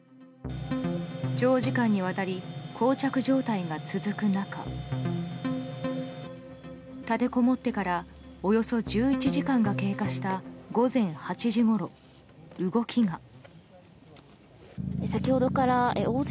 長時間にわたり膠着状態が続く中立てこもってからおよそ１１時間が経過した午前８時ごろ、動きが。